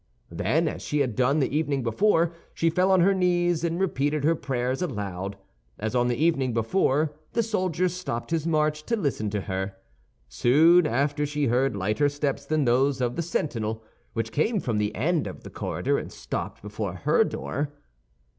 Then, as she had done the evening before, she fell on her knees and repeated her prayers aloud. As on the evening before, the soldier stopped his march to listen to her. Soon after she heard lighter steps than those of the sentinel, which came from the end of the corridor and stopped before her door.